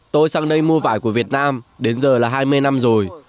tôi sang đây mua vải của việt nam đến giờ là hai mươi năm rồi